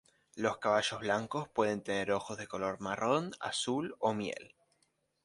Los caballos blancos pueden tener ojos de color marrón, azul o miel.